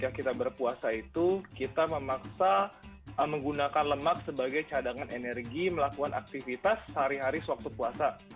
ketika kita berpuasa itu kita memaksa menggunakan lemak sebagai cadangan energi melakukan aktivitas sehari hari sewaktu puasa